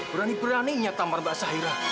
berani beraninya tambar mbak syahira